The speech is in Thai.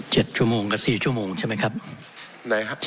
๗ชั่วโมงกับ๔ชั่วโมงใช่ไหมครับ๗กับ๔